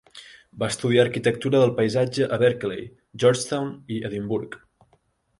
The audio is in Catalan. Va estudiar arquitectura del paisatge a Berkeley, Georgetown i Edimburg.